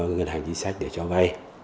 ngân hành chính sách để cho vay